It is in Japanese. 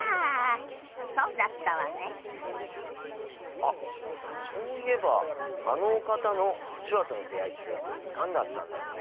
あっそういえばあのお方の手話との出会いって何だったんだろうね。